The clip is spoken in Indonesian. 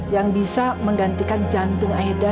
yang bisa menggantikan jantung aedar